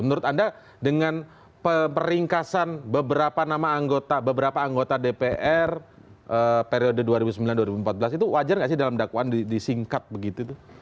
menurut anda dengan peringkasan beberapa nama anggota beberapa anggota dpr periode dua ribu sembilan dua ribu empat belas itu wajar nggak sih dalam dakwaan disingkat begitu